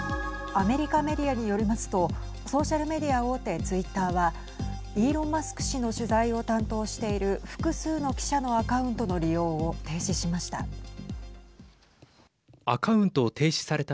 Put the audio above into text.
アメリカメディアによりますとソーシャルメディア大手ツイッターはイーロン・マスク氏の取材を担当している複数の記者のアカウントの利用を停止しました。